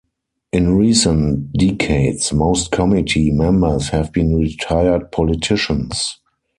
In recent decades, most committee members have been retired politicians.